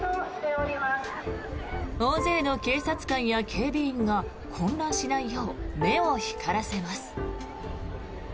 大勢の警察官や警備員が混乱しないよう目を光らせます。